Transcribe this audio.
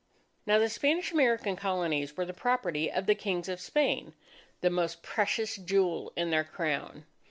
Now the Spanish American Colonies were the property of the Kings of Spain, "the most precious jewel in their crown."